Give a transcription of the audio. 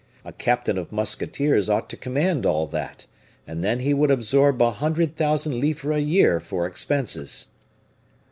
A captain of musketeers ought to command all that, and then he would absorb a hundred thousand livres a year for expenses."